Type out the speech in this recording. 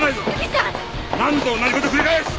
何度同じ事を繰り返す！